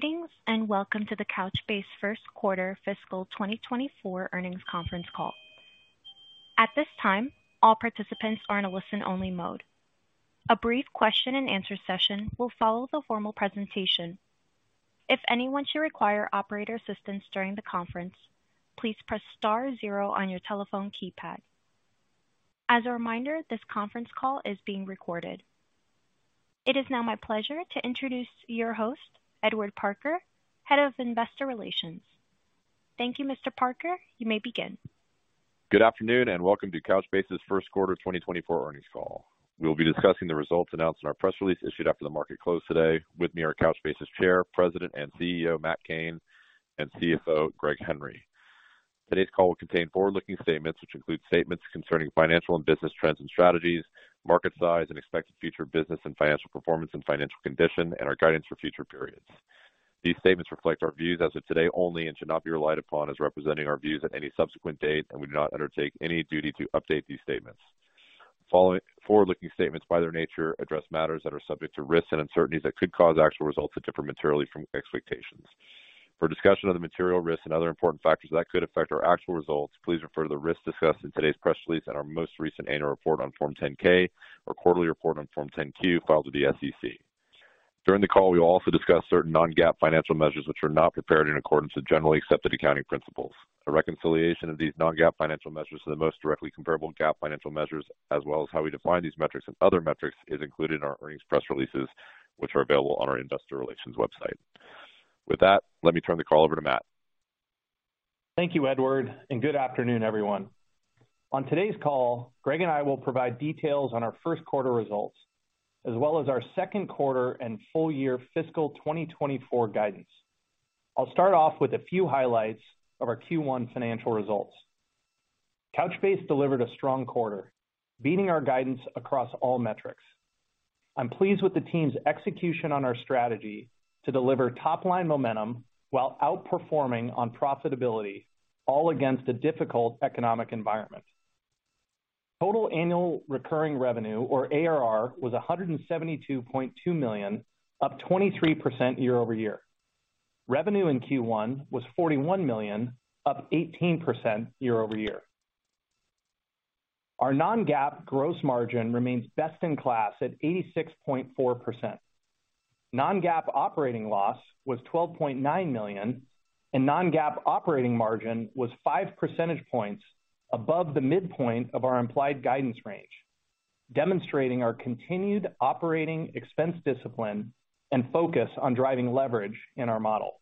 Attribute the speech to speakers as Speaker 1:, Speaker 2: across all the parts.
Speaker 1: Greetings, welcome to the Couchbase Q1 fiscal 2024 earnings conference call. At this time, all participants are in a listen-only mode. A brief question and answer session will follow the formal presentation. If anyone should require operator assistance during the conference, please press star zero on your telephone keypad. As a reminder, this conference call is being recorded. It is now my pleasure to introduce your host, Edward Parker, Head of Investor Relations. Thank you, Mr. Parker. You may begin.
Speaker 2: Good afternoon, and welcome to Couchbase's Q1 2024 earnings call. We'll be discussing the results announced in our press release, issued after the market closed today. With me are Couchbase's Chair, President, and CEO, Matt Cain, and CFO, Greg Henry. Today's call will contain forward-looking statements, which include statements concerning financial and business trends and strategies, market size, and expected future business and financial performance and financial condition, and our guidance for future periods. These statements reflect our views as of today only and should not be relied upon as representing our views at any subsequent date, and we do not undertake any duty to update these statements. Following forward-looking statements, by their nature, address matters that are subject to risks and uncertainties that could cause actual results to differ materially from expectations. For discussion of the material risks and other important factors that could affect our actual results, please refer to the risks discussed in today's press release and our most recent annual report on Form 10-K or quarterly report on Form 10-Q filed with the SEC. During the call, we will also discuss certain non-GAAP financial measures, which are not prepared in accordance with generally accepted accounting principles. A reconciliation of these non-GAAP financial measures to the most directly comparable GAAP financial measures, as well as how we define these metrics and other metrics, is included in our earnings press releases, which are available on our investor relations website. With that, let me turn the call over to Matt.
Speaker 3: Thank you, Edward, and good afternoon, everyone. On today's call, Greg and I will provide details on our Q1 results, as well as our Q2 and full year fiscal 2024 guidance. I'll start off with a few highlights of our Q1 financial results. Couchbase delivered a strong quarter, beating our guidance across all metrics. I'm pleased with the team's execution on our strategy to deliver top-line momentum while outperforming on profitability, all against a difficult economic environment. Total annual recurring revenue, or ARR, was $172.2 million, up 23% year-over-year. Revenue in Q1 was $41 million, up 18% year-over-year. Our non-GAAP gross margin remains best in class at 86.4%. Non-GAAP operating loss was $12.9 million, and non-GAAP operating margin was 5 percentage points above the midpoint of our implied guidance range, demonstrating our continued operating expense discipline and focus on driving leverage in our model.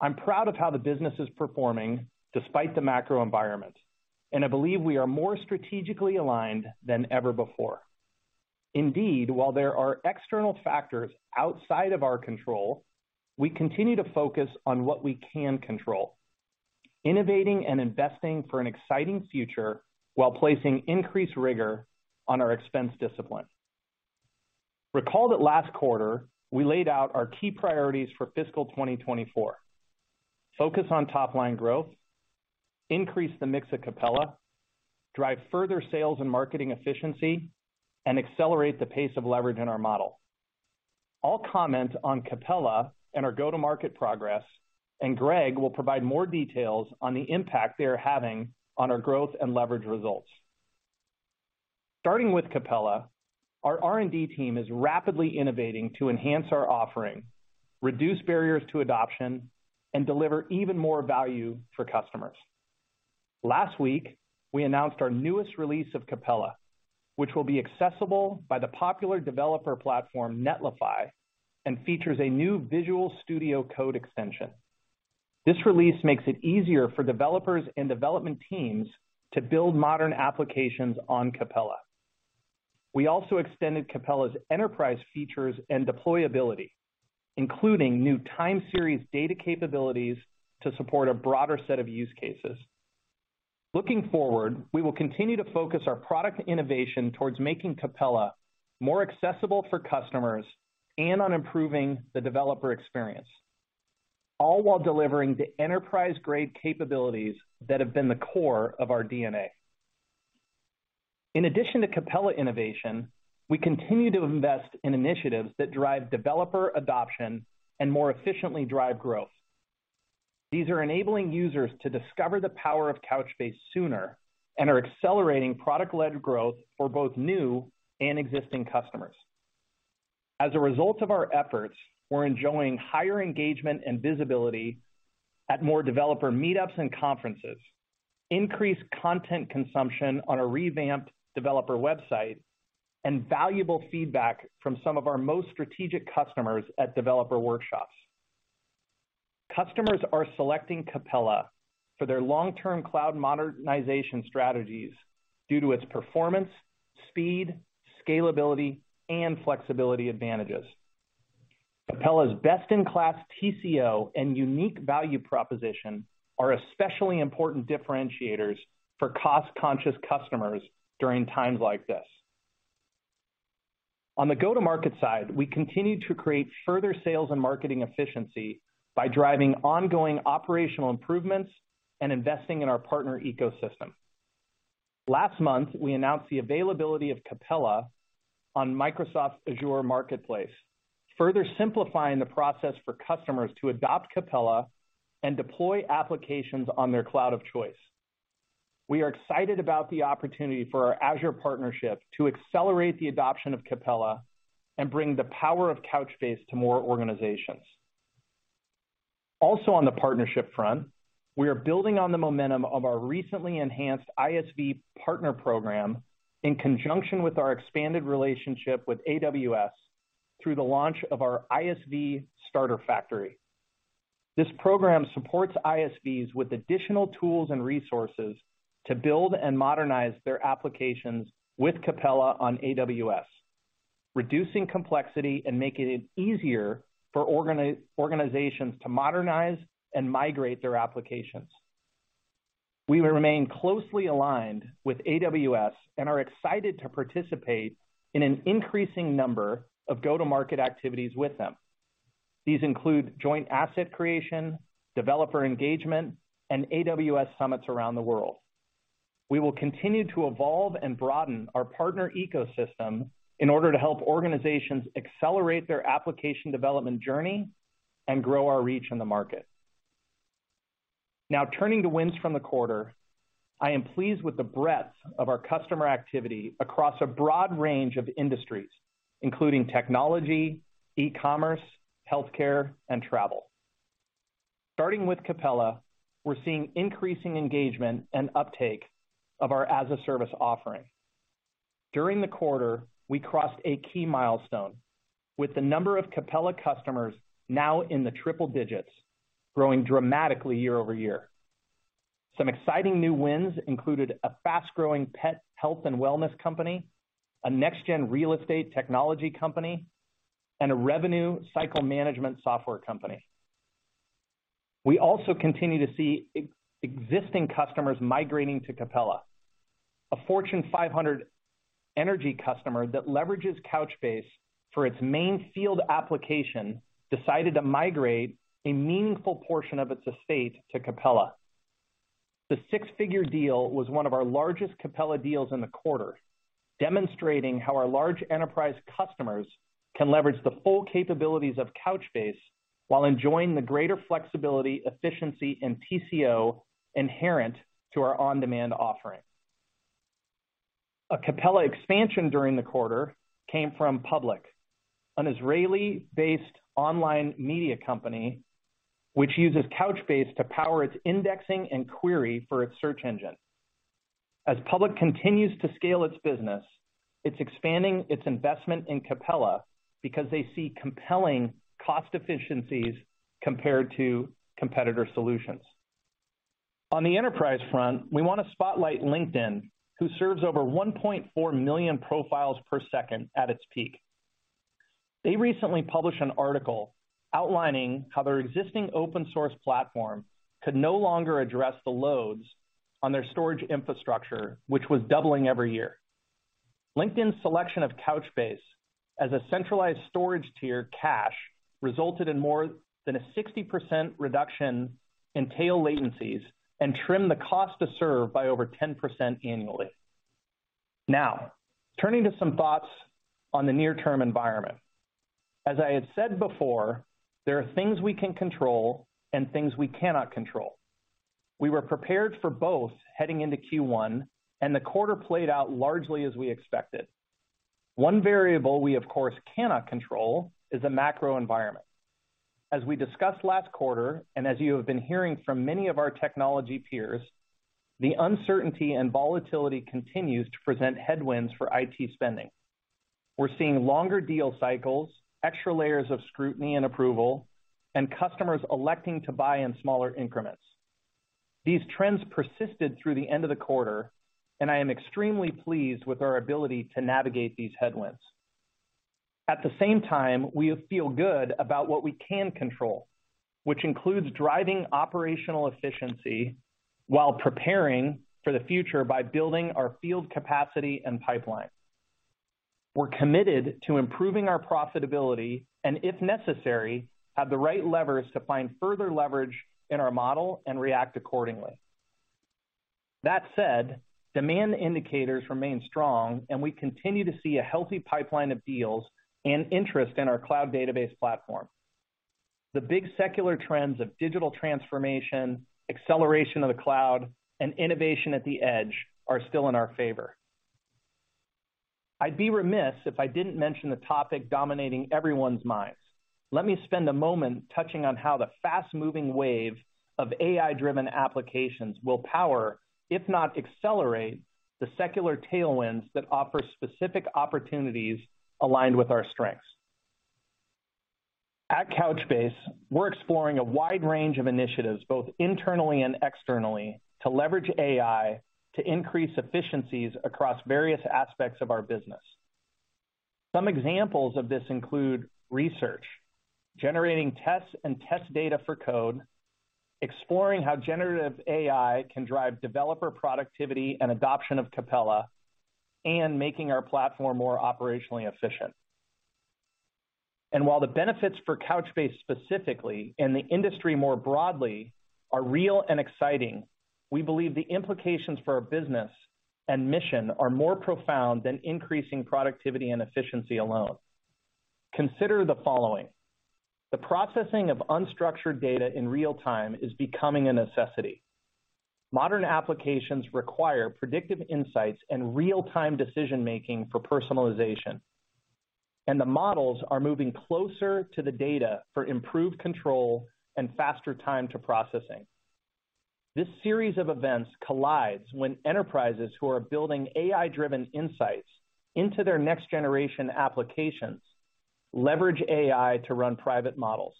Speaker 3: I'm proud of how the business is performing despite the macro environment, and I believe we are more strategically aligned than ever before. Indeed, while there are external factors outside of our control, we continue to focus on what we can control, innovating and investing for an exciting future while placing increased rigor on our expense discipline. Recall that last quarter, we laid out our key priorities for fiscal 2024: focus on top line growth, increase the mix of Capella, drive further sales and marketing efficiency, and accelerate the pace of leverage in our model. I'll comment on Capella and our go-to-market progress. Greg will provide more details on the impact they are having on our growth and leverage results. Starting with Capella, our R&D team is rapidly innovating to enhance our offering, reduce barriers to adoption, and deliver even more value for customers. Last week, we announced our newest release of Capella, which will be accessible by the popular developer platform, Netlify, and features a new Visual Studio Code extension. This release makes it easier for developers and development teams to build modern applications on Capella. We also extended Capella's enterprise features and deployability, including new time series data capabilities to support a broader set of use cases. Looking forward, we will continue to focus our product innovation towards making Capella more accessible for customers and on improving the developer experience, all while delivering the enterprise-grade capabilities that have been the core of our DNA. In addition to Capella innovation, we continue to invest in initiatives that drive developer adoption and more efficiently drive growth. These are enabling users to discover the power of Couchbase sooner and are accelerating product-led growth for both new and existing customers. As a result of our efforts, we're enjoying higher engagement and visibility at more developer meetups and conferences, increased content consumption on a revamped developer website, and valuable feedback from some of our most strategic customers at developer workshops. Customers are selecting Capella for their long-term cloud modernization strategies due to its performance, speed, scalability, and flexibility advantages. Capella's best-in-class TCO and unique value proposition are especially important differentiators for cost-conscious customers during times like this. On the go-to-market side, we continue to create further sales and marketing efficiency by driving ongoing operational improvements and investing in our partner ecosystem. Last month, we announced the availability of Capella on Microsoft's Azure Marketplace, further simplifying the process for customers to adopt Capella and deploy applications on their cloud of choice. We are excited about the opportunity for our Azure partnership to accelerate the adoption of Capella and bring the power of Couchbase to more organizations. On the partnership front, we are building on the momentum of our recently enhanced ISV partner program in conjunction with our expanded relationship with AWS through the launch of our ISV Starter Factory. This program supports ISVs with additional tools and resources to build and modernize their applications with Capella on AWS, reducing complexity and making it easier for organizations to modernize and migrate their applications. We will remain closely aligned with AWS and are excited to participate in an increasing number of go-to-market activities with them. These include joint asset creation, developer engagement, and AWS summits around the world. We will continue to evolve and broaden our partner ecosystem in order to help organizations accelerate their application development journey and grow our reach in the market. Now, turning to wins from the quarter, I am pleased with the breadth of our customer activity across a broad range of industries, including technology, e-commerce, healthcare, and travel. Starting with Capella, we're seeing increasing engagement and uptake of our as-a-service offering. During the quarter, we crossed a key milestone, with the number of Capella customers now in the triple digits, growing dramatically year-over-year. Some exciting new wins included a fast-growing pet health and wellness company, a next-gen real estate technology company, and a revenue cycle management software company. We also continue to see existing customers migrating to Capella. A Fortune 500 energy customer that leverages Couchbase for its main field application, decided to migrate a meaningful portion of its estate to Capella. The six-figure deal was one of our largest Capella deals in the quarter, demonstrating how our large enterprise customers can leverage the full capabilities of Couchbase while enjoying the greater flexibility, efficiency, and TCO inherent to our on-demand offering. A Capella expansion during the quarter came from Public, an Israeli-based online media company, which uses Couchbase to power its indexing and query for its search engine. As Public continues to scale its business, it's expanding its investment in Capella because they see compelling cost efficiencies compared to competitor solutions. On the enterprise front, we want to spotlight LinkedIn, who serves over 1.4 million profiles per second at its peak. They recently published an article outlining how their existing open source platform could no longer address the loads on their storage infrastructure, which was doubling every year. LinkedIn's selection of Couchbase as a centralized storage tier cache, resulted in more than a 60% reduction in tail latencies and trimmed the cost to serve by over 10% annually. Turning to some thoughts on the near-term environment. As I had said before, there are things we can control and things we cannot control. We were prepared for both heading into Q1, and the quarter played out largely as we expected. One variable we, of course, cannot control is the macro environment. As we discussed last quarter, and as you have been hearing from many of our technology peers, the uncertainty and volatility continues to present headwinds for IT spending. We're seeing longer deal cycles, extra layers of scrutiny and approval, and customers electing to buy in smaller increments. These trends persisted through the end of the quarter, and I am extremely pleased with our ability to navigate these headwinds. At the same time, we feel good about what we can control, which includes driving operational efficiency while preparing for the future by building our field capacity and pipeline. We're committed to improving our profitability and, if necessary, have the right levers to find further leverage in our model and react accordingly. That said, demand indicators remain strong, and we continue to see a healthy pipeline of deals and interest in our cloud database platform. The big secular trends of digital transformation, acceleration of the cloud, and innovation at the edge are still in our favor. I'd be remiss if I didn't mention the topic dominating everyone's minds. Let me spend a moment touching on how the fast-moving wave of AI-driven applications will power, if not accelerate, the secular tailwinds that offer specific opportunities aligned with our strengths. At Couchbase, we're exploring a wide range of initiatives, both internally and externally, to leverage AI to increase efficiencies across various aspects of our business. Some examples of this include research, generating tests and test data for code, exploring how generative AI can drive developer productivity and adoption of Capella, and making our platform more operationally efficient. While the benefits for Couchbase specifically, and the industry more broadly, are real and exciting, we believe the implications for our business and mission are more profound than increasing productivity and efficiency alone. Consider the following: the processing of unstructured data in real time is becoming a necessity. Modern applications require predictive insights and real-time decision-making for personalization, and the models are moving closer to the data for improved control and faster time to processing. This series of events collides when enterprises who are building AI-driven insights into their next generation applications leverage AI to run private models.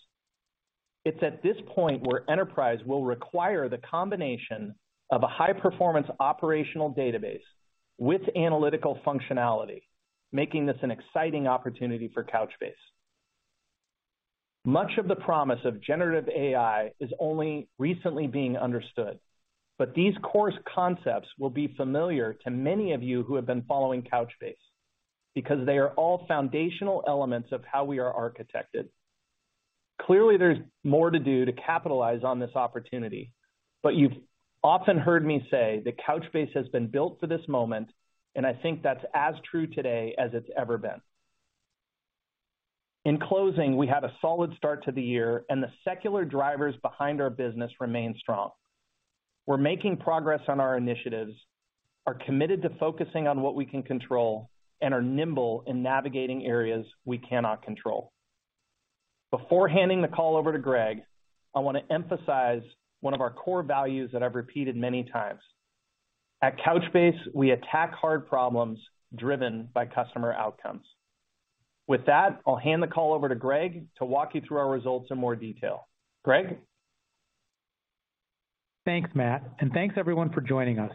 Speaker 3: It's at this point where enterprise will require the combination of a high-performance operational database with analytical functionality, making this an exciting opportunity for Couchbase. Much of the promise of generative AI is only recently being understood, but these core concepts will be familiar to many of you who have been following Couchbase, because they are all foundational elements of how we are architected. Clearly, there's more to do to capitalize on this opportunity, but you've often heard me say that Couchbase has been built for this moment, and I think that's as true today as it's ever been. In closing, we had a solid start to the year, and the secular drivers behind our business remain strong. We're making progress on our initiatives, are committed to focusing on what we can control, and are nimble in navigating areas we cannot control. Before handing the call over to Greg, I want to emphasize one of our core values that I've repeated many times. At Couchbase, we attack hard problems driven by customer outcomes. With that, I'll hand the call over to Greg to walk you through our results in more detail. Greg?
Speaker 4: Thanks, Matt. Thanks everyone for joining us.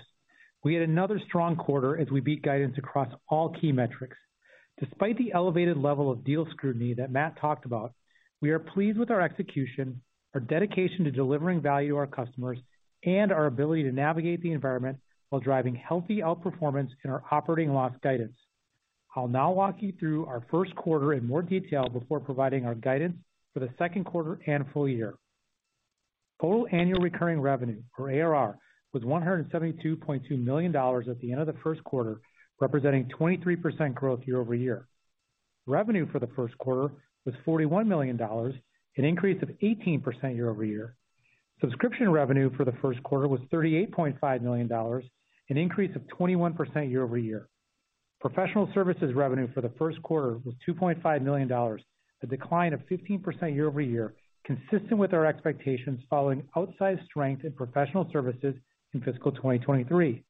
Speaker 4: We had another strong quarter as we beat guidance across all key metrics. Despite the elevated level of deal scrutiny that Matt talked about, we are pleased with our execution, our dedication to delivering value to our customers, and our ability to navigate the environment while driving healthy outperformance in our operating loss guidance. I'll now walk you through our Q1 in more detail before providing our guidance for the Q2 and full year. Total annual recurring revenue, or ARR, was $172.2 million at the end of the Q1, representing 23% growth year-over-year. Revenue for the Q1 was $41 million, an increase of 18% year-over-year. Subscription revenue for the Q1 was $38.5 million, an increase of 21% year-over-year. Professional services revenue for the Q1 was $2.5 million, a decline of 15% year-over-year, consistent with our expectations following outsized strength in professional services in fiscal 2023.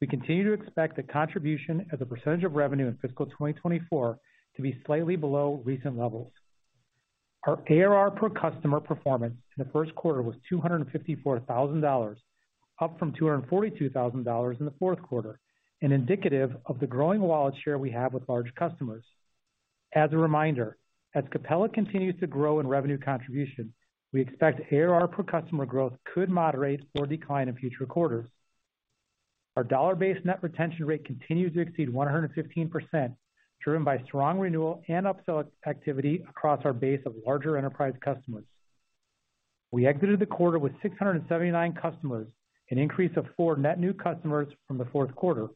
Speaker 4: We continue to expect the contribution as a percentage of revenue in fiscal 2024 to be slightly below recent levels. Our ARR per customer performance in the Q1 was $254,000, up from $242,000 in the Q4, indicative of the growing wallet share we have with large customers. As a reminder, as Capella continues to grow in revenue contribution, we expect ARR per customer growth could moderate or decline in future quarters. Our dollar-based net retention rate continues to exceed 115%, driven by strong renewal and upsell activity across our base of larger enterprise customers. We exited the quarter with 679 customers, an increase of 4 net new customers from the Q4.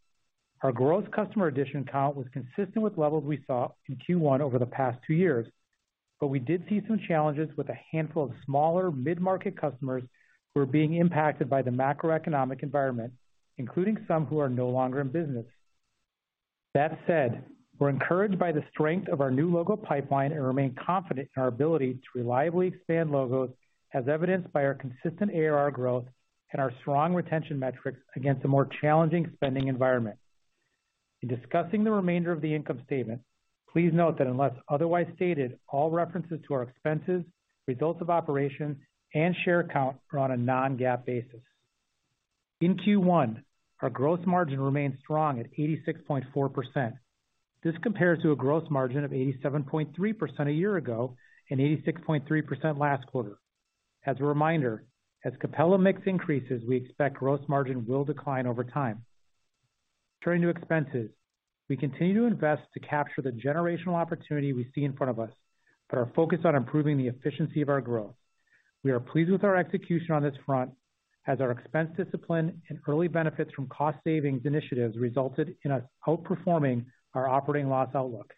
Speaker 4: Our gross customer addition count was consistent with levels we saw in Q1 over the past two years. We did see some challenges with a handful of smaller mid-market customers who are being impacted by the macroeconomic environment, including some who are no longer in business. That said, we're encouraged by the strength of our new logo pipeline and remain confident in our ability to reliably expand logos, as evidenced by our consistent ARR growth and our strong retention metrics against a more challenging spending environment. In discussing the remainder of the income statement, please note that unless otherwise stated, all references to our expenses, results of operations, and share count are on a non-GAAP basis. In Q1, our gross margin remained strong at 86.4%. This compares to a gross margin of 87.3% a year ago and 86.3% last quarter. As a reminder, as Capella mix increases, we expect gross margin will decline over time. Turning to expenses, we continue to invest to capture the generational opportunity we see in front of us, but are focused on improving the efficiency of our growth. We are pleased with our execution on this front, as our expense discipline and early benefits from cost savings initiatives resulted in us outperforming our operating loss outlook.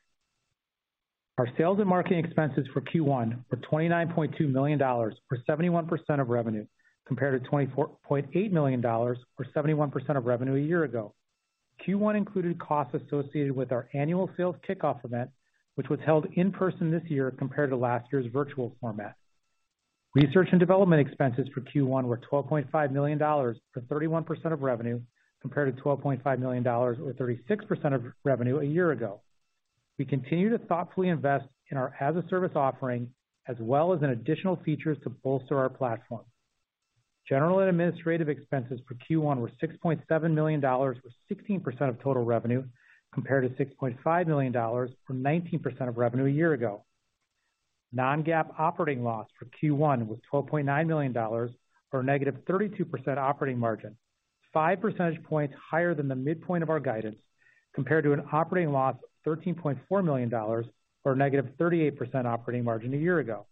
Speaker 4: Our sales and marketing expenses for Q1 were $29.2 million, or 71% of revenue, compared to $24.8 million, or 71% of revenue a year ago. Q1 included costs associated with our annual sales kickoff event, which was held in person this year compared to last year's virtual format. Research and development expenses for Q1 were $12.5 million, for 31% of revenue, compared to $12.5 million, or 36% of revenue a year ago. We continue to thoughtfully invest in our as a service offering, as well as in additional features to bolster our platform. General and administrative expenses for Q1 were $6.7 million, with 16% of total revenue, compared to $6.5 million, or 19% of revenue, a year ago. Non-GAAP operating loss for Q1 was $12.9 million, or a negative 32% operating margin, 5 percentage points higher than the midpoint of our guidance, compared to an operating loss of $13.4 million, or a negative 38% operating margin a year ago.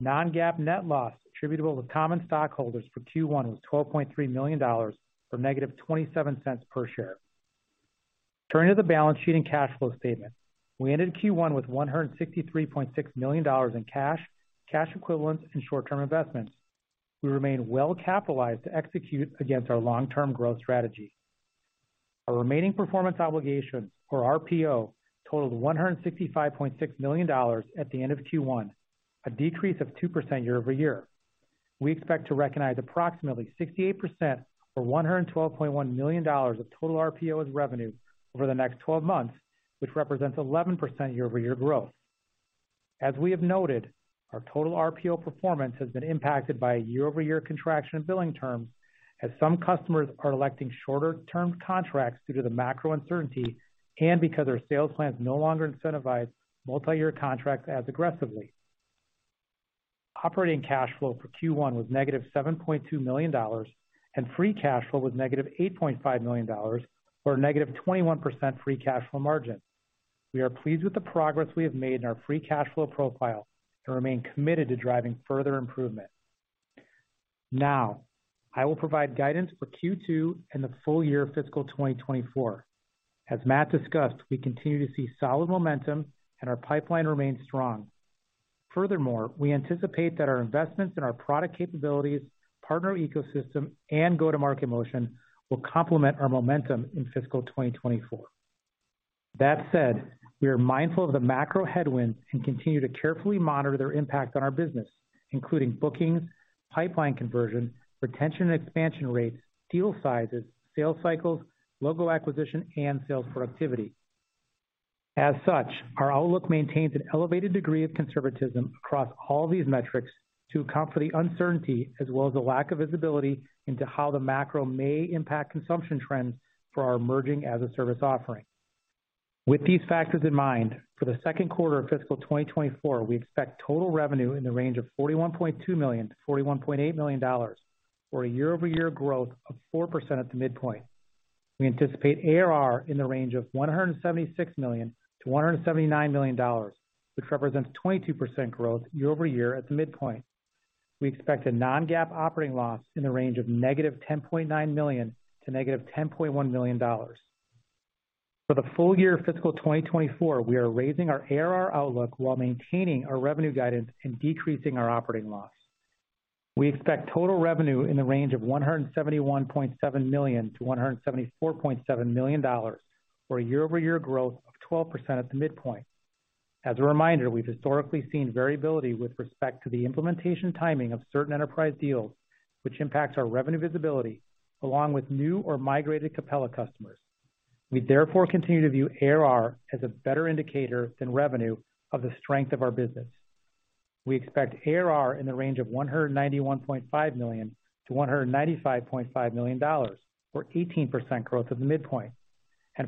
Speaker 4: Non-GAAP net loss attributable to common stockholders for Q1 was $12.3 million, or -$0.27 per share. Turning to the balance sheet and cash flow statement. We ended Q1 with $163.6 million in cash equivalents, and short-term investments. We remain well-capitalized to execute against our long-term growth strategy. Our remaining performance obligation, or RPO, totaled $165.6 million at the end of Q1, a decrease of 2% year-over-year. We expect to recognize approximately 68%, or $112.1 million of total RPO as revenue over the next 12 months, which represents 11% year-over-year growth. As we have noted, our total RPO performance has been impacted by a year-over-year contraction in billing terms, as some customers are electing shorter-term contracts due to the macro uncertainty and because our sales plans no longer incentivize multiyear contracts as aggressively. Operating cash flow for Q1 was negative $7.2 million, and free cash flow was negative $8.5 million, or a negative 21% free cash flow margin. We are pleased with the progress we have made in our free cash flow profile and remain committed to driving further improvement. Now, I will provide guidance for Q2 and the full year of fiscal 2024. As Matt discussed, we continue to see solid momentum and our pipeline remains strong. Furthermore, we anticipate that our investments in our product capabilities, partner ecosystem, and go-to-market motion will complement our momentum in fiscal 2024. That said, we are mindful of the macro headwinds and continue to carefully monitor their impact on our business, including bookings, pipeline conversion, retention and expansion rates, deal sizes, sales cycles, logo acquisition, and sales productivity. As such, our outlook maintains an elevated degree of conservatism across all these metrics to account for the uncertainty, as well as the lack of visibility into how the macro may impact consumption trends for our emerging as-a-service offering. With these factors in mind, for the Q2 of fiscal 2024, we expect total revenue in the range of $41.2 million-$41.8 million, or a year-over-year growth of 4% at the midpoint. We anticipate ARR in the range of $176 million-$179 million, which represents 22% growth year-over-year at the midpoint. We expect a non-GAAP operating loss in the range of -$10.9 million to -$10.1 million. For the full year fiscal 2024, we are raising our ARR outlook while maintaining our revenue guidance and decreasing our operating loss. We expect total revenue in the range of $171.7 million-$174.7 million, or a year-over-year growth of 12% at the midpoint. As a reminder, we've historically seen variability with respect to the implementation timing of certain enterprise deals, which impacts our revenue visibility, along with new or migrated Capella customers. We therefore continue to view ARR as a better indicator than revenue of the strength of our business. We expect ARR in the range of $191.5 million-$195.5 million, or 18% growth at the midpoint.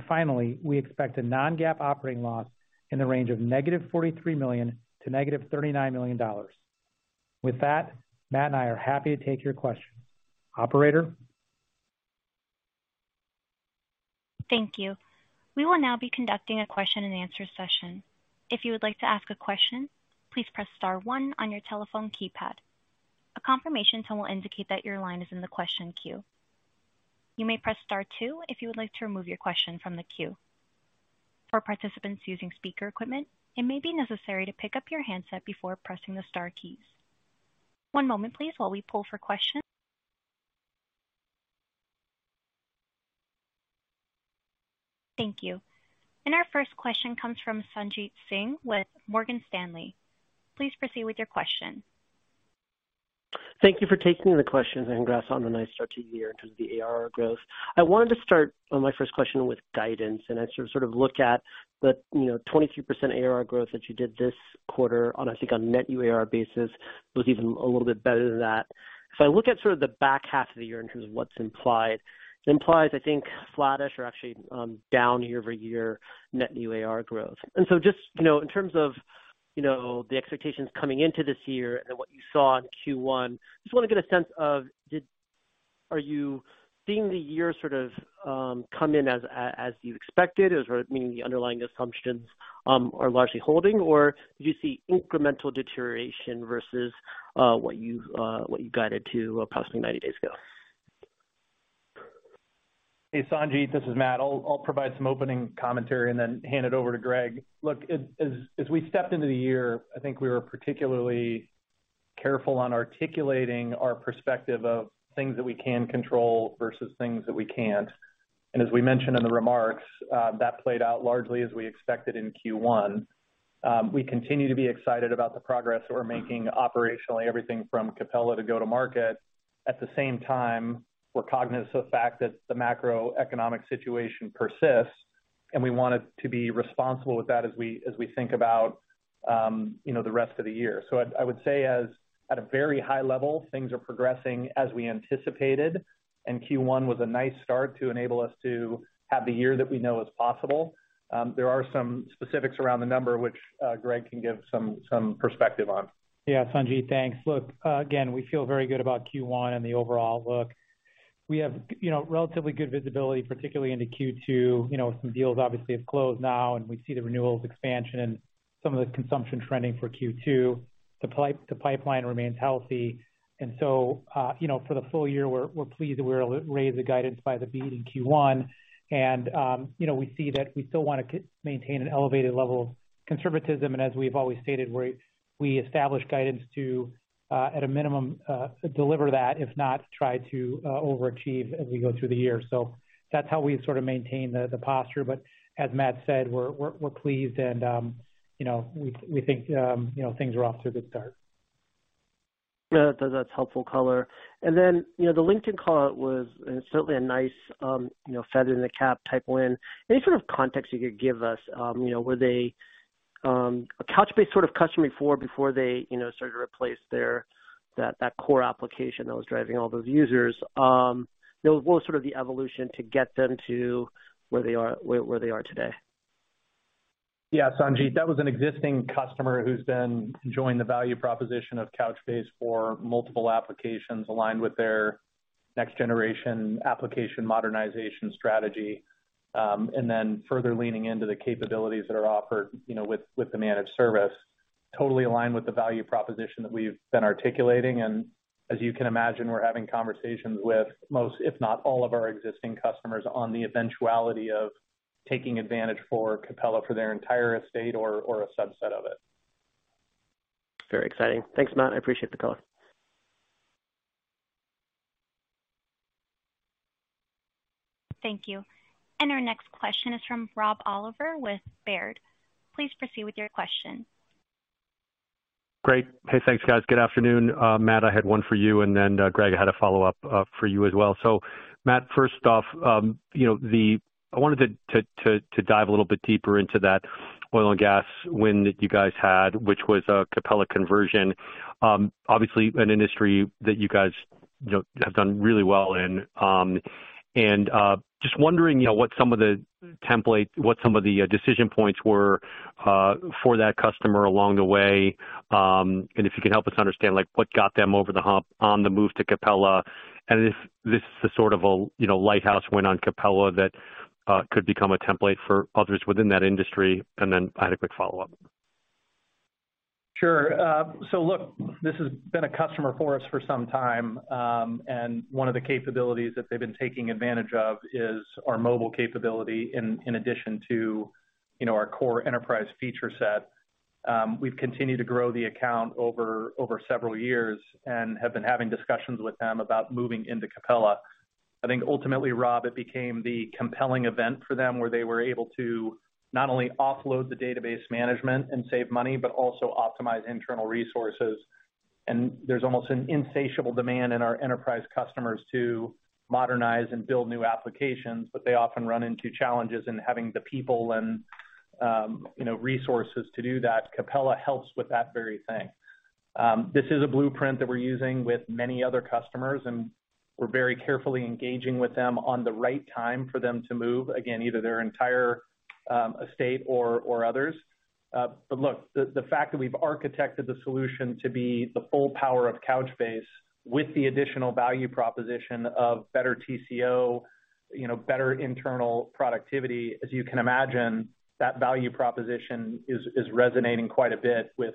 Speaker 4: Finally, we expect a non-GAAP operating loss in the range of negative $43 million to negative $39 million. With that, Matt and I are happy to take your questions. Operator?
Speaker 1: Thank you. We will now be conducting a question-and-answer session. If you would like to ask a question, please press star one on your telephone keypad. A confirmation tone will indicate that your line is in the question queue. You may press star two if you would like to remove your question from the queue. For participants using speaker equipment, it may be necessary to pick up your handset before pressing the star keys. One moment please while we pull for questions. Thank you. Our first question comes from Sanjit Singh with Morgan Stanley. Please proceed with your question.
Speaker 5: Thank you for taking the questions. Congrats on a nice start to the year in terms of the ARR growth. I wanted to start on my first question with guidance. I sort of look at the, you know, 22% ARR growth that you did this quarter on, I think on net new ARR basis, was even a little bit better than that. If I look at sort of the back half of the year in terms of what's implied, it implies, I think, flattish or actually, down year-over-year net new ARR growth. Just, you know, in terms of, you know, the expectations coming into this year and what you saw in Q1, just want to get a sense of are you seeing the year sort of come in as you expected, as sort of meaning the underlying assumptions are largely holding, or do you see incremental deterioration versus what you guided to approximately 90 days ago?
Speaker 3: Hey, Sanjit, this is Matt. I'll provide some opening commentary and then hand it over to Greg Henry. Look, as we stepped into the year, I think we were particularly careful on articulating our perspective of things that we can control versus things that we can't. As we mentioned in the remarks, that played out largely as we expected in Q1. We continue to be excited about the progress that we're making operationally, everything from Capella to go-to-market. At the same time, we're cognizant of the fact that the macroeconomic situation persists.... and we want it to be responsible with that as we, as we think about, you know, the rest of the year. I would say as at a very high level, things are progressing as we anticipated, and Q1 was a nice start to enable us to have the year that we know is possible. There are some specifics around the number which Greg can give some perspective on.
Speaker 4: Yeah, Sanjit, thanks. Look, again, we feel very good about Q1 and the overall look. We have, you know, relatively good visibility, particularly into Q2. You know, some deals obviously have closed now, and we see the renewals expansion and some of the consumption trending for Q2. The pipeline remains healthy, you know, for the full year, we're pleased that we're able to raise the guidance by the beat in Q1. You know, we see that we still wanna maintain an elevated level of conservatism, and as we've always stated, we establish guidance to at a minimum deliver that, if not, try to overachieve as we go through the year. That's how we sort of maintain the posture. As Matt said, we're pleased and, you know, we think, you know, things are off to a good start.
Speaker 5: Yeah, that's helpful color. You know, the LinkedIn call was certainly a nice, you know, feather in the cap type win. Any sort of context you could give us, you know, were they a Couchbase sort of customer before they, you know, started to replace their, that core application that was driving all those users? What was sort of the evolution to get them to where they are today?
Speaker 3: Yeah, Sanjit, that was an existing customer who's been enjoying the value proposition of Couchbase for multiple applications aligned with their next generation application modernization strategy, and then further leaning into the capabilities that are offered, you know, with the managed service, totally aligned with the value proposition that we've been articulating. As you can imagine, we're having conversations with most, if not all, of our existing customers on the eventuality of taking advantage for Capella, for their entire estate or a subset of it.
Speaker 5: Very exciting. Thanks, Matt. I appreciate the color.
Speaker 1: Thank you. Our next question is from Rob Oliver with Baird. Please proceed with your question.
Speaker 6: Great. Hey, thanks, guys. Good afternoon. Matt, I had one for you, and then, Greg, I had a follow-up for you as well. Matt, first off, I wanted to dive a little bit deeper into that oil and gas win that you guys had, which was a Capella conversion. Obviously an industry that you guys have done really well in. And just wondering what some of the decision points were for that customer along the way, and if you could help us understand what got them over the hump on the move to Capella, and if this is the sort of a lighthouse win on Capella that could become a template for others within that industry? I had a quick follow-up.
Speaker 3: Sure. So look, this has been a customer for us for some time, and one of the capabilities that they've been taking advantage of is our mobile capability in addition to, you know, our core enterprise feature set. We've continued to grow the account over several years and have been having discussions with them about moving into Capella. I think ultimately, Rob, it became the compelling event for them, where they were able to not only offload the database management and save money, but also optimize internal resources. There's almost an insatiable demand in our enterprise customers to modernize and build new applications, but they often run into challenges in having the people and, you know, resources to do that. Capella helps with that very thing. This is a blueprint that we're using with many other customers, and we're very carefully engaging with them on the right time for them to move, again, either their entire estate or others. Look, the fact that we've architected the solution to be the full power of Couchbase with the additional value proposition of better TCO, you know, better internal productivity, as you can imagine, that value proposition is resonating quite a bit with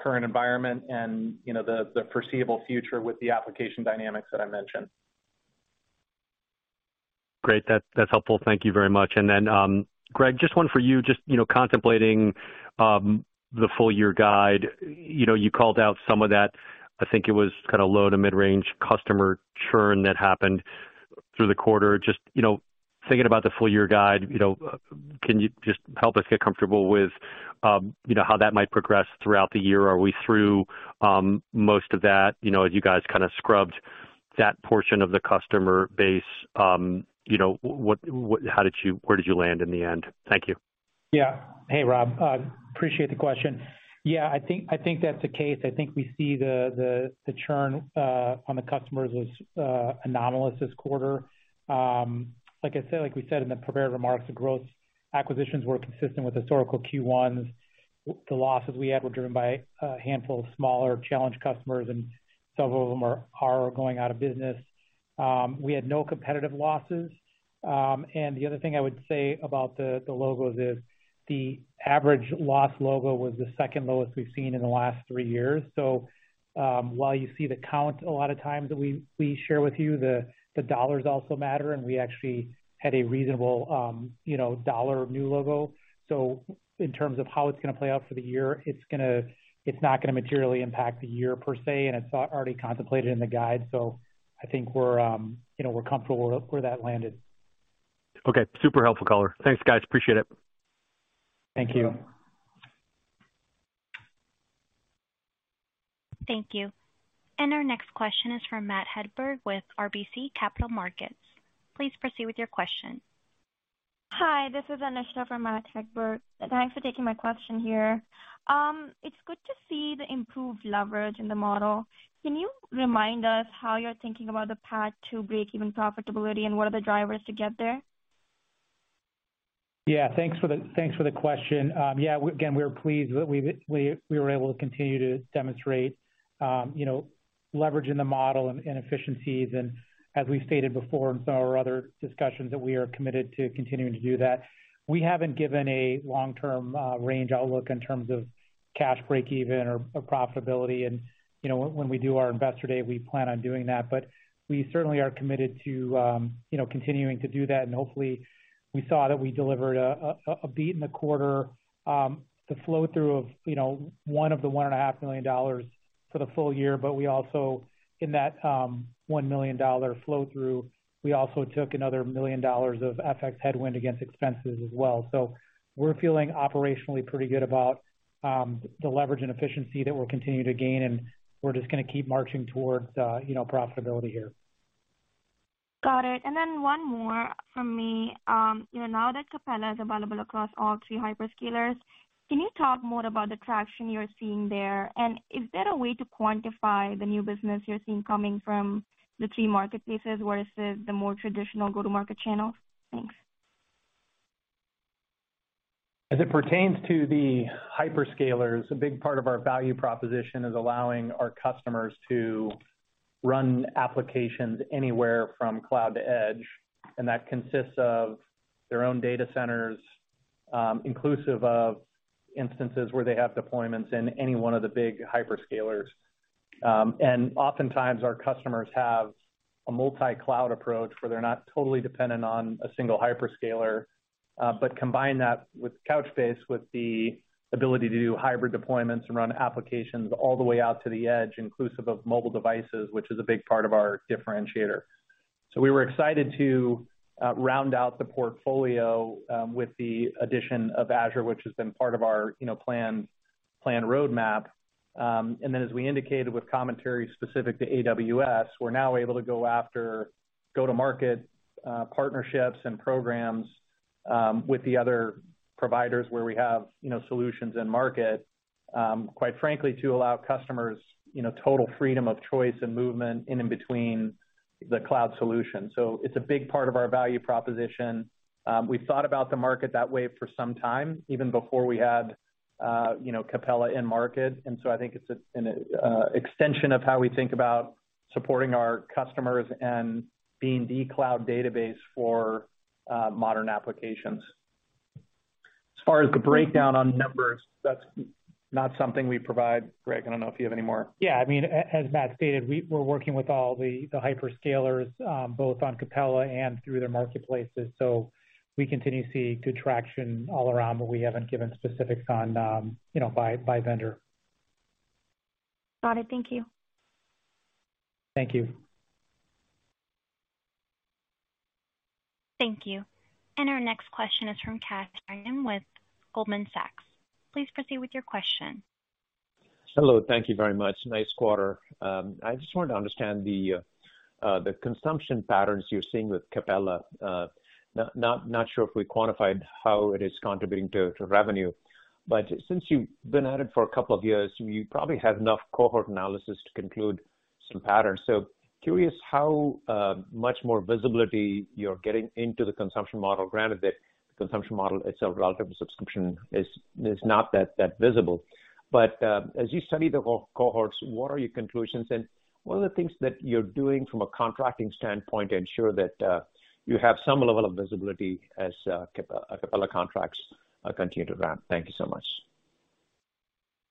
Speaker 3: current environment and, you know, the foreseeable future with the application dynamics that I mentioned.
Speaker 6: Great. That's, that's helpful. Thank you very much. Then, Greg, just one for you. Just, you know, contemplating the full year guide. You know, you called out some of that, I think it was kind of low to mid-range customer churn that happened through the quarter. Just, you know, thinking about the full year guide, you know, can you just help us get comfortable with, you know, how that might progress throughout the year? Are we through most of that, you know, as you guys kind of scrubbed that portion of the customer base, you know, what, how did you land in the end? Thank you.
Speaker 4: Yeah. Hey, Rob, appreciate the question. Yeah, I think that's the case. I think we see the churn on the customers was anomalous this quarter. Like I said, like we said in the prepared remarks, the growth acquisitions were consistent with historical Q1s. The losses we had were driven by a handful of smaller challenged customers, and several of them are going out of business. We had no competitive losses. The other thing I would say about the logos is, the average loss logo was the second lowest we've seen in the last three years. While you see the count, a lot of times we share with you, the dollars also matter, and we actually had a reasonable, you know, dollar of new logo. In terms of how it's not gonna materially impact the year per se, and it's already contemplated in the guide. I think we're, you know, we're comfortable where that landed.
Speaker 6: Okay, super helpful color. Thanks, guys, appreciate it.
Speaker 4: Thank you.
Speaker 1: Thank you. Our next question is from Matt Hedberg, with RBC Capital Markets. Please proceed with your question.
Speaker 7: Hi, this is Anisha from Matt Hedberg. Thanks for taking my question here. It's good to see the improved leverage in the model. Can you remind us how you're thinking about the path to breakeven profitability and what are the drivers to get there?
Speaker 4: Yeah, thanks for the question. Yeah, again, we're pleased that we were able to continue to demonstrate, you know, leverage in the model and efficiencies, and as we've stated before in some of our other discussions, that we are committed to continuing to do that. We haven't given a long-term range outlook in terms of cash breakeven or profitability. You know, when we do our Investor Day, we plan on doing that. We certainly are committed to, you know, continuing to do that, and hopefully, we saw that we delivered a beat in the quarter, the flow-through of, you know, one of the one and a half million dollars for the full year. We also, in that, $1 million flow-through, we also took another $1 million of FX headwind against expenses as well. We're feeling operationally pretty good about the leverage and efficiency that we're continuing to gain, and we're just gonna keep marching towards, you know, profitability here.
Speaker 7: Got it. One more from me. Now that Capella is available across all three hyperscalers, can you talk more about the traction you're seeing there? Is there a way to quantify the new business you're seeing coming from the three marketplaces versus the more traditional go-to-market channels? Thanks.
Speaker 3: As it pertains to the hyperscalers, a big part of our value proposition is allowing our customers to run applications anywhere from cloud to edge, and that consists of their own data centers, inclusive of instances where they have deployments in any one of the big hyperscalers. Oftentimes, our customers have a multi-cloud approach, where they're not totally dependent on a single hyperscaler, but combine that with Couchbase, with the ability to do hybrid deployments and run applications all the way out to the edge, inclusive of mobile devices, which is a big part of our differentiator. We were excited to round out the portfolio with the addition of Azure, which has been part of our, you know, plan roadmap. As we indicated with commentary specific to AWS, we're now able to go after go-to-market partnerships and programs with the other providers where we have, you know, solutions and market, quite frankly, to allow customers, you know, total freedom of choice and movement in and between the cloud solution. It's a big part of our value proposition. We've thought about the market that way for some time, even before we had, you know, Capella in market. I think it's an extension of how we think about supporting our customers and being the cloud database for modern applications. As far as the breakdown on numbers, that's not something we provide. Greg, I don't know if you have any more.
Speaker 4: I mean, as Matt stated, we're working with all the hyperscalers, both on Capella and through their marketplaces. We continue to see good traction all around, but we haven't given specifics on, you know, by vendor.
Speaker 7: Got it. Thank you.
Speaker 4: Thank you.
Speaker 1: Thank you. Our next question is from Kash Rangan with Goldman Sachs. Please proceed with your question.
Speaker 8: Hello. Thank you very much. Nice quarter. I just wanted to understand the consumption patterns you're seeing with Capella. Not sure if we quantified how it is contributing to revenue, but since you've been at it for a couple of years, you probably have enough cohort analysis to conclude some patterns. Curious how much more visibility you're getting into the consumption model, granted that the consumption model itself, relative to subscription, is not that visible. As you study the cohorts, what are your conclusions and what are the things that you're doing from a contracting standpoint to ensure that you have some level of visibility as Capella contracts continue to ramp? Thank you so much.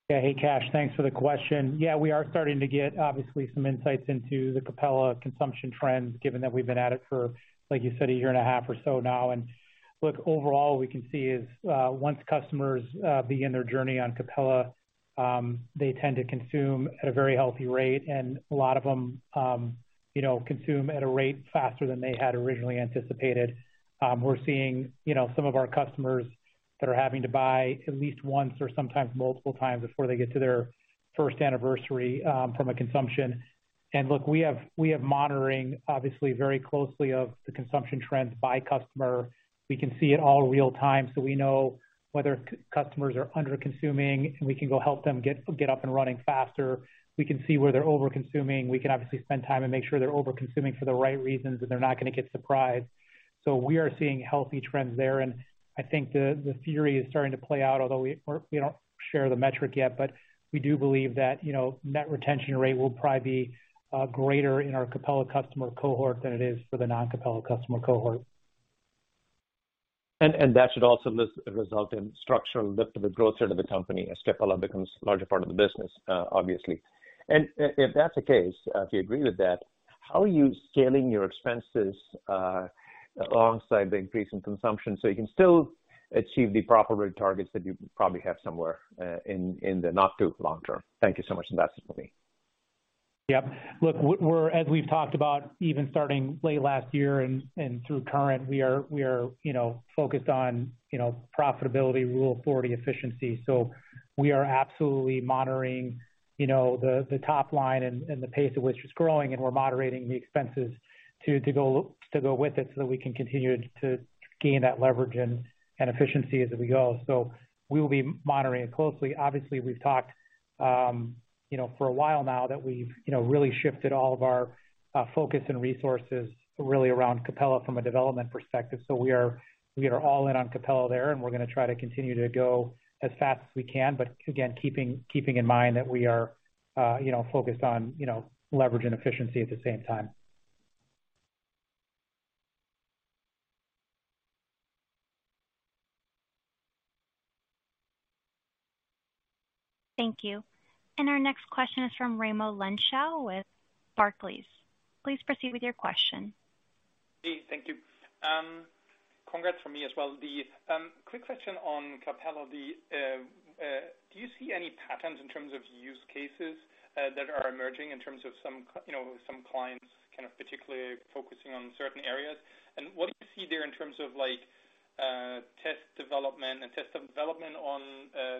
Speaker 4: Yeah. Hey, Kash, thanks for the question. Yeah, we are starting to get obviously some insights into the Capella consumption trends, given that we've been at it for, like you said, a year and a half or so now. Look, overall, we can see is, once customers begin their journey on Capella, they tend to consume at a very healthy rate, and a lot of them, you know, consume at a rate faster than they had originally anticipated. We're seeing, you know, some of our customers that are having to buy at least once or sometimes multiple times before they get to their first anniversary from a consumption. Look, we have, we are monitoring, obviously, very closely of the consumption trends by customer. We can see it all real time, so we know whether customers are under-consuming, and we can go help them get up and running faster. We can see where they're overconsuming. We can obviously spend time and make sure they're overconsuming for the right reasons, and they're not gonna get surprised. We are seeing healthy trends there, and I think the theory is starting to play out, although we don't share the metric yet, but we do believe that, you know, net retention rate will probably be greater in our Capella customer cohort than it is for the non-Capella customer cohort.
Speaker 8: That should also result in structural lift to the growth rate of the company as Capella becomes a larger part of the business, obviously. If that's the case, if you agree with that, how are you scaling your expenses, alongside the increase in consumption, so you can still achieve the proper rate targets that you probably have somewhere, in the not too long term? Thank you so much. That's it for me.
Speaker 4: Yep. Look, we're, as we've talked about, even starting late last year and through current, we are, you know, focused on, you know, profitability, Rule of 40 efficiency. We are absolutely monitoring, you know, the top line and the pace at which it's growing, and we're moderating the expenses to go with it so that we can continue to gain that leverage and efficiency as we go. We will be monitoring it closely. Obviously, we've talked, you know, for a while now that we've, you know, really shifted all of our focus and resources really around Capella from a development perspective. We are all in on Capella there, and we're going to try to continue to go as fast as we can, but again, keeping in mind that we are, you know, focused on, you know, leverage and efficiency at the same time.
Speaker 1: Thank you. Our next question is from Raimo Lenschow with Barclays. Please proceed with your question.
Speaker 9: Hey, thank you. Congrats from me as well. The quick question on Capella, do you see any patterns in terms of use cases that are emerging in terms of some you know, some clients kind of particularly focusing on certain areas? What do you see there in terms of like, test development and test development on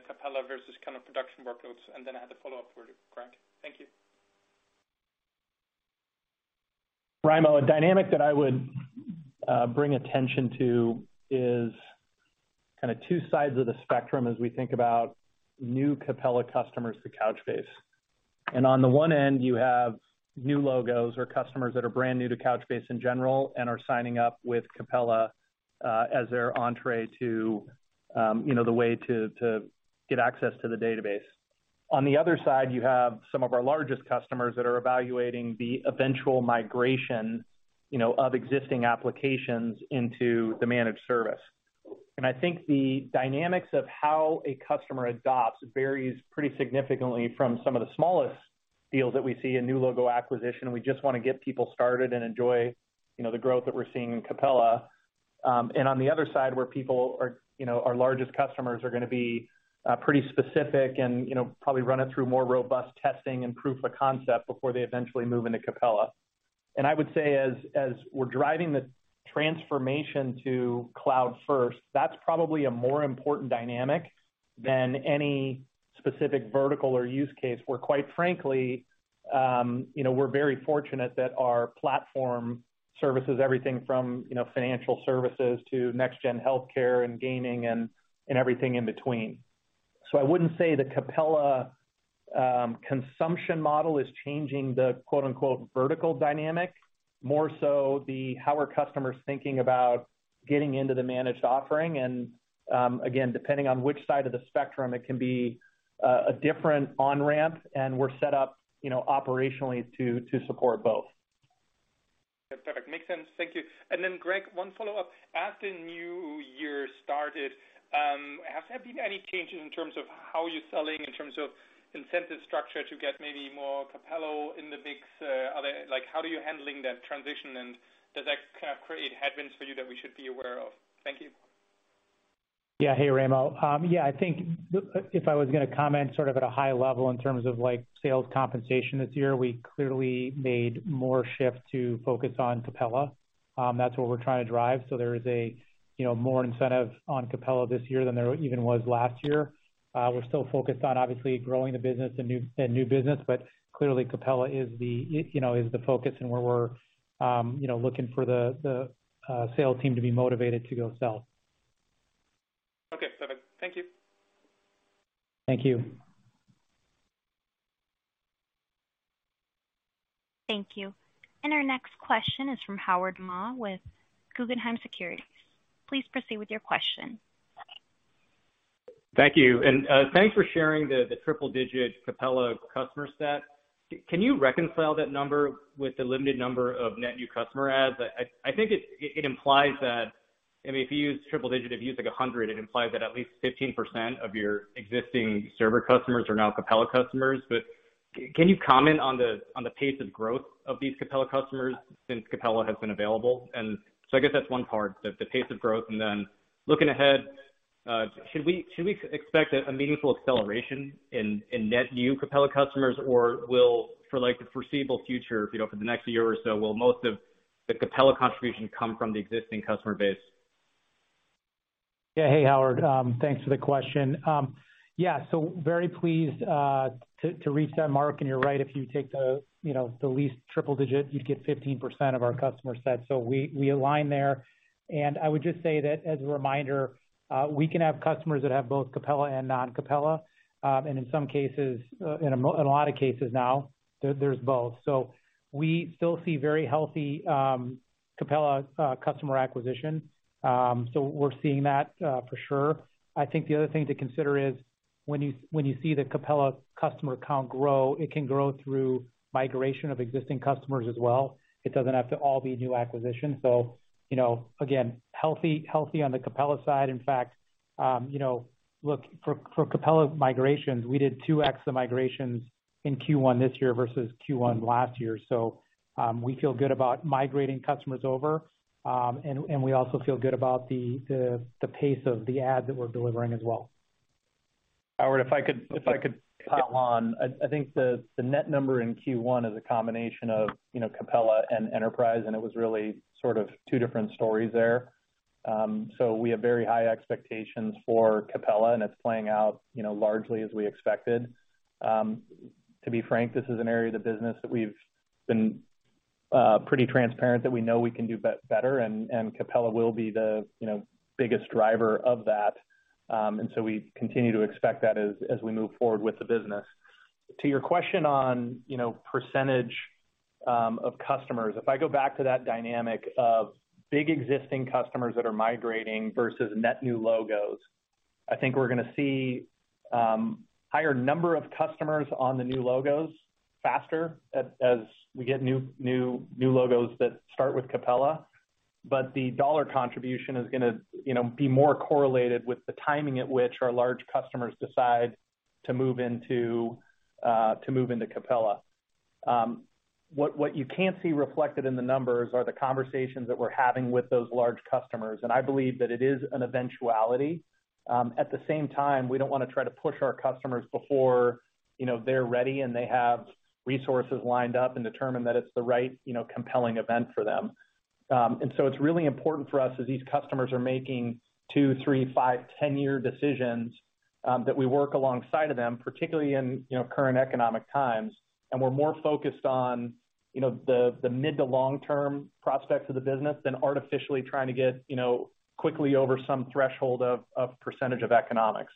Speaker 9: Capella versus kind of production workloads? I had a follow-up for Greg. Thank you.
Speaker 4: Ramo, a dynamic that I would bring attention to is kind of two sides of the spectrum as we think about new Capella customers to Couchbase. On the one end, you have new logos or customers that are brand new to Couchbase in general and are signing up with Capella as their entree to, you know, the way to get access to the database. On the other side, you have some of our largest customers that are evaluating the eventual migration, you know, of existing applications into the managed service. I think the dynamics of how a customer adopts varies pretty significantly from some of the smallest deals that we see in new logo acquisition. We just want to get people started and enjoy, you know, the growth that we're seeing in Capella. On the other side, where people you know, our largest customers are going to be, pretty specific and, you know, probably run it through more robust testing and proof of concept before they eventually move into Capella. I would say as we're driving the transformation to cloud first, that's probably a more important dynamic than any specific vertical or use case, where, quite frankly, you know, we're very fortunate that our platform services everything from, you know, financial services to next-gen healthcare and gaming and everything in between. I wouldn't say the Capella consumption model is changing the quote-unquote, vertical dynamic, more so the, how are customers thinking about getting into the managed offering? Again, depending on which side of the spectrum, it can be a different on-ramp, and we're set up, you know, operationally to support both.
Speaker 9: That's perfect. Makes sense. Thank you. Greg, one follow-up: As the new year started, has there been any changes in terms of how you're selling, in terms of incentive structure to get maybe more Capella in the mix? Like, how are you handling that transition, and does that kind of create headwinds for you that we should be aware of? Thank you.
Speaker 4: Yeah. Hey, Ramo. Yeah, I think if I was going to comment sort of at a high level in terms of, like, sales compensation this year, we clearly made more shifts to focus on Capella. That's what we're trying to drive. There is a, you know, more incentive on Capella this year than there even was last year. We're still focused on obviously growing the business and new business, clearly Capella is the, you know, is the focus and where we're, you know, looking for the sales team to be motivated to go sell.
Speaker 9: Okay, perfect. Thank you.
Speaker 4: Thank you.
Speaker 1: Thank you. Our next question is from Howard Ma with Guggenheim Securities. Please proceed with your question.
Speaker 10: Thank you. Thanks for sharing the triple digit Capella customer set. Can you reconcile that number with the limited number of net new customer adds? I think it implies that, I mean, if you use triple digit, if you use, like, 100, it implies that at least 15% of your existing server customers are now Capella customers. Can you comment on the pace of growth of these Capella customers since Capella has been available? I guess that's one part, the pace of growth. Looking ahead, should we expect a meaningful acceleration in net new Capella customers? Will, for, like, the foreseeable future, you know, for the next year or so, will most of the Capella contribution come from the existing customer base?
Speaker 4: Hey, Howard, thanks for the question. Very pleased to reach that mark, and you're right, if you take the, you know, the least triple digit, you'd get 15% of our customer set. We align there. I would just say that as a reminder, we can have customers that have both Capella and non-Capella. In some cases, in a lot of cases now, there's both. We still see very healthy Capella customer acquisition. We're seeing that for sure. I think the other thing to consider is, when you see the Capella customer count grow, it can grow through migration of existing customers as well. It doesn't have to all be new acquisitions. You know, again, healthy on the Capella side. In fact, you know, look, for Capella migrations, we did 2x of migrations in Q1 this year versus Q1 last year. We feel good about migrating customers over, and we also feel good about the pace of the ad that we're delivering as well....
Speaker 3: Howard, if I could hop on. I think the net number in Q1 is a combination of, you know, Capella and Enterprise, and it was really sort of two different stories there. We have very high expectations for Capella, and it's playing out, you know, largely as we expected. To be frank, this is an area of the business that we've been pretty transparent, that we know we can do better, and Capella will be the, you know, biggest driver of that. We continue to expect that as we move forward with the business. To your question on, you know, percentage of customers, if I go back to that dynamic of big existing customers that are migrating versus net new logos, I think we're gonna see higher number of customers on the new logos faster as we get new logos that start with Capella. The dollar contribution is gonna, you know, be more correlated with the timing at which our large customers decide to move into Capella. What you can't see reflected in the numbers are the conversations that we're having with those large customers, and I believe that it is an eventuality. At the same time, we don't want to try to push our customers before, you know, they're ready, and they have resources lined up and determined that it's the right, you know, compelling event for them. It's really important for us as these customers are making two, three, five, 10-year decisions that we work alongside of them, particularly in, you know, current economic times. We're more focused on, you know, the mid to long-term prospects of the business than artificially trying to get, you know, quickly over some threshold of % of economics.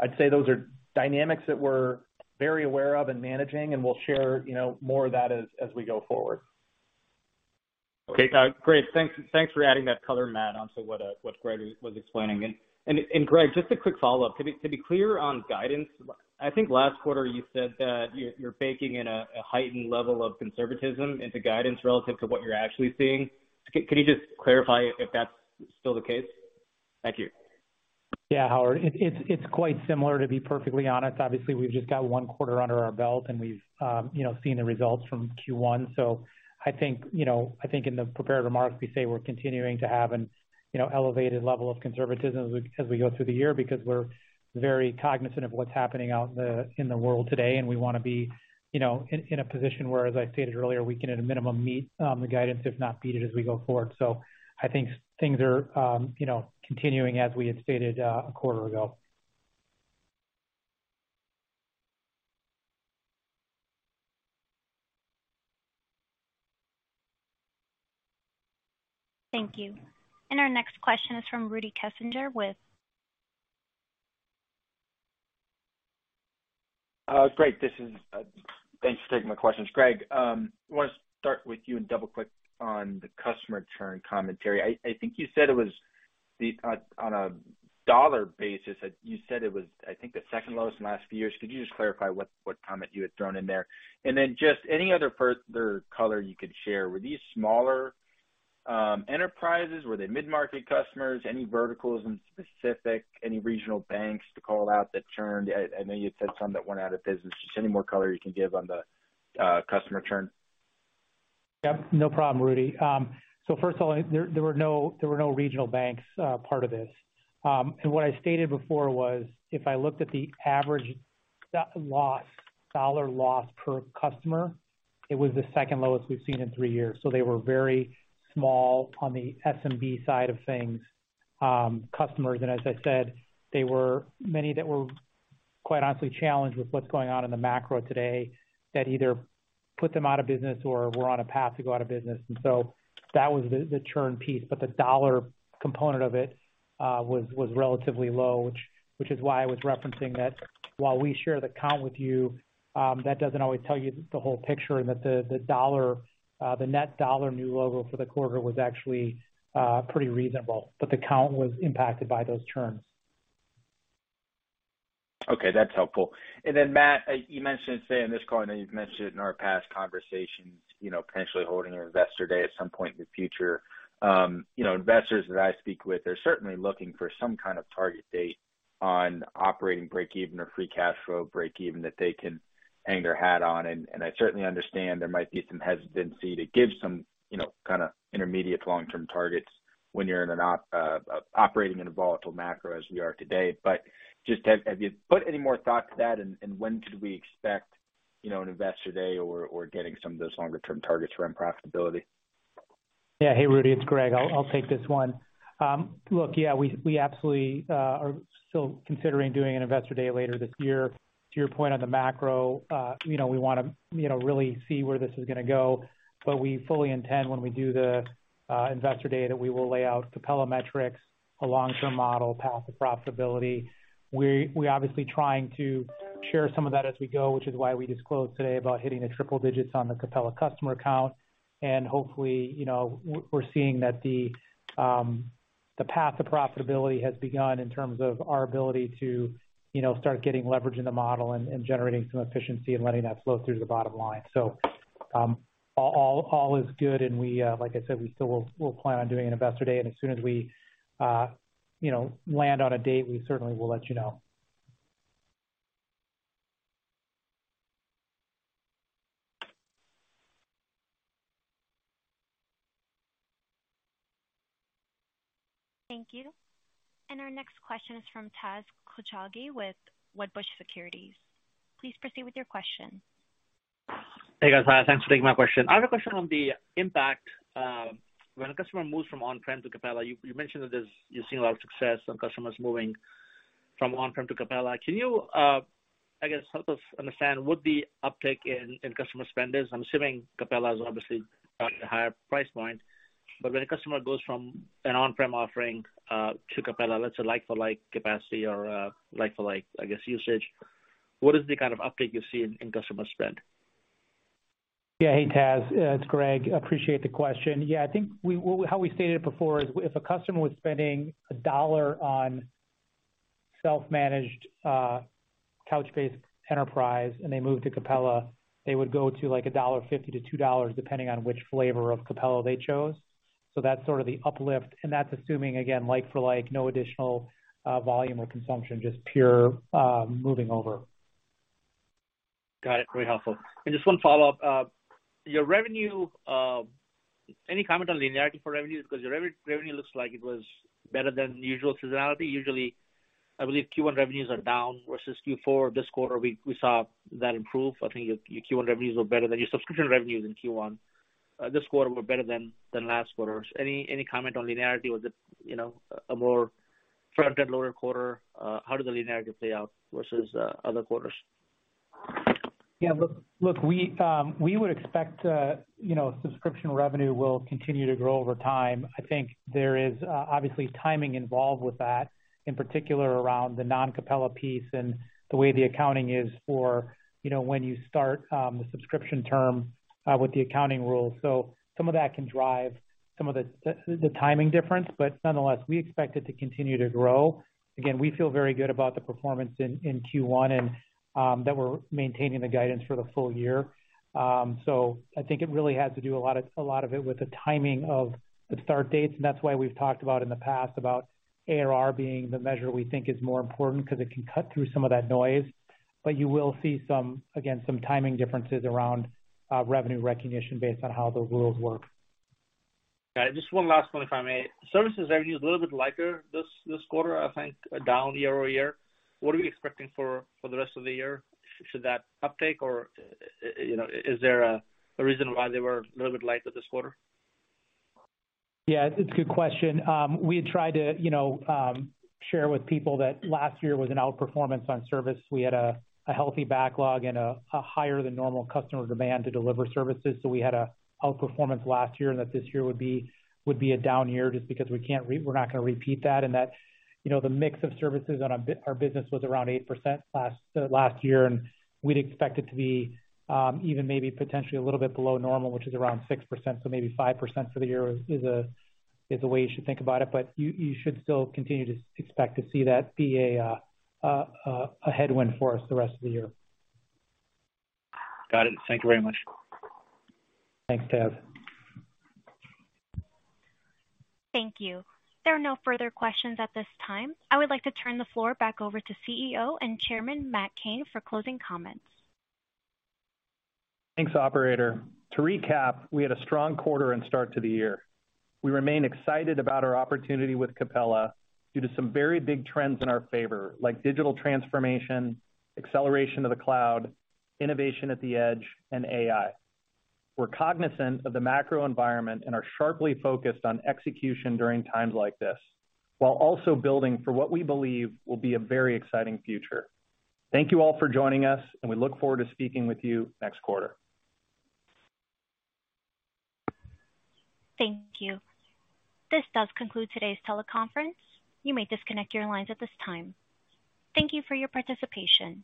Speaker 3: I'd say those are dynamics that we're very aware of and managing, and we'll share, you know, more of that as we go forward.
Speaker 10: Okay, great. Thanks, thanks for adding that color, Matt, onto what Greg was explaining. Greg, just a quick follow-up. To be clear on guidance, I think last quarter you said that you're baking in a heightened level of conservatism into guidance relative to what you're actually seeing. Can you just clarify if that's still the case? Thank you.
Speaker 4: Yeah, Howard, it's quite similar, to be perfectly honest. Obviously, we've just got one quarter under our belt, and we've, you know, seen the results from Q1. I think, you know, I think in the prepared remarks, we say we're continuing to have an, you know, elevated level of conservatism as we, as we go through the year because we're very cognizant of what's happening out in the, in the world today. We want to be, you know, in a position where, as I stated earlier, we can at a minimum, meet the guidance, if not beat it as we go forward. I think things are, you know, continuing as we had stated a quarter ago.
Speaker 1: Thank you. our next question is from Rudy Kessinger with-
Speaker 11: Great, this is. Thanks for taking my questions. Greg, I want to start with you and double-click on the customer churn commentary. I think you said it was the, on a dollar basis, that you said it was, I think, the second lowest in the last few years. Could you just clarify what comment you had thrown in there? Just any other further color you could share. Were these smaller enterprises? Were they mid-market customers? Any verticals in specific, any regional banks to call out that churned? I know you had said some that went out of business. Just any more color you can give on the customer churn.
Speaker 4: Yep, no problem, Rudy. first of all, there were no regional banks part of this. what I stated before was, if I looked at the average loss, dollar loss per customer, it was the second lowest we've seen in three years. They were very small on the SMB side of things. customers, as I said, they were many that were quite honestly challenged with what's going on in the macro today, that either put them out of business or were on a path to go out of business. That was the churn piece, but the dollar component of it was relatively low, which is why I was referencing that while we share the count with you, that doesn't always tell you the whole picture. The dollar, the net dollar new logo for the quarter was actually pretty reasonable, but the count was impacted by those churns.
Speaker 11: Okay, that's helpful. Then, Matt, you mentioned today in this call, and I know you've mentioned it in our past conversations, you know, potentially holding your Investor Day at some point in the future. You know, investors that I speak with are certainly looking for some kind of target date on operating break even or free cash flow break even that they can hang their hat on. I certainly understand there might be some hesitancy to give some, you know, kind of intermediate long-term targets when you're in an operating in a volatile macro as we are today. Just have you put any more thought to that, and when should we expect, you know, an Investor Day or getting some of those longer-term targets around profitability?
Speaker 4: Yeah. Hey, Rudy, it's Greg. I'll take this one. Look, yeah, we absolutely are still considering doing an Investor Day later this year. To your point on the macro, you know, we want to, you know, really see where this is going to go, but we fully intend when we do the Investor Day, that we will lay out Capella metrics, a long-term model, path to profitability. We obviously trying to share some of that as we go, which is why we disclosed today about hitting the triple digits on the Capella customer account. Hopefully, you know, we're seeing that the path to profitability has begun in terms of our ability to, you know, start getting leverage in the model and generating some efficiency and letting that flow through to the bottom line. All is good, and we, like I said, we still will plan on doing an Investor Day, and as soon as we, you know, land on a date, we certainly will let you know.
Speaker 1: Thank you. Our next question is from Taz Koujalgi with Wedbush Securities. Please proceed with your question.
Speaker 12: Hey, guys. Thanks for taking my question. I have a question on the impact when a customer moves from on-prem to Capella. You mentioned that you've seen a lot of success on customers moving from on-prem to Capella. Can you, I guess, help us understand what the uptick in customer spend is? I'm assuming Capella is obviously at a higher price point, but when a customer goes from an on-prem offering to Capella, that's a like-for-like capacity or like-for-like, I guess, usage, what is the kind of uptake you've seen in customer spend?
Speaker 4: Hey, Taz, it's Greg. Appreciate the question. I think we how we stated it before is if a customer was spending $1 on self-managed, Couchbase Enterprise and they moved to Capella, they would go to, like, $1.50-$2, depending on which flavor of Capella they chose. That's sort of the uplift, and that's assuming, again, like for like, no additional, volume or consumption, just pure, moving over.
Speaker 12: Got it. Very helpful. Just one follow-up. Your revenue, any comment on linearity for revenue? Because your revenue looks like it was better than usual seasonality. Usually, I believe Q1 revenues are down versus Q4. This quarter, we saw that improve. I think your Q1 revenues were better than your subscription revenues in Q1. This quarter were better than last quarter. Any comment on linearity? Was it, you know, a more front-end loaded quarter? How did the linearity play out versus other quarters?
Speaker 4: Yeah, look, we would expect, you know, subscription revenue will continue to grow over time. I think there is obviously timing involved with that, in particular around the non-Capella piece and the way the accounting is for, you know, when you start the subscription term with the accounting rule. Some of that can drive some of the timing difference, but nonetheless, we expect it to continue to grow. Again, we feel very good about the performance in Q1 and that we're maintaining the guidance for the full year. I think it really has to do a lot of, a lot of it with the timing of the start dates, and that's why we've talked about in the past about ARR being the measure we think is more important, because it can cut through some of that noise. You will see some, again, some timing differences around, revenue recognition based on how those rules work.
Speaker 12: Got it. Just one last one, if I may. Services revenue is a little bit lighter this quarter, I think, down year-over-year. What are we expecting for the rest of the year? Should that uptake or, you know, is there a reason why they were a little bit lighter this quarter?
Speaker 4: Yeah, it's a good question. We had tried to, you know, share with people that last year was an outperformance on service. We had a healthy backlog and a higher-than-normal customer demand to deliver services, so we had a outperformance last year, and that this year would be a down year just because we're not gonna repeat that, and that, you know, the mix of services on our business was around 8% last year, and we'd expect it to be even maybe potentially a little bit below normal, which is around 6%. Maybe 5% for the year is the way you should think about it, but you should still continue to expect to see that be a headwind for us the rest of the year.
Speaker 12: Got it. Thank you very much.
Speaker 4: Thanks, Taz.
Speaker 1: Thank you. There are no further questions at this time. I would like to turn the floor back over to CEO and Chairman, Matt Cain, for closing comments.
Speaker 4: Thanks, operator. To recap, we had a strong quarter and start to the year. We remain excited about our opportunity with Capella due to some very big trends in our favor, like digital transformation, acceleration of the cloud, innovation at the edge, and AI. We're cognizant of the macro environment and are sharply focused on execution during times like this, while also building for what we believe will be a very exciting future. Thank you all for joining us. We look forward to speaking with you next quarter.
Speaker 1: Thank you. This does conclude today's teleconference. You may disconnect your lines at this time. Thank you for your participation.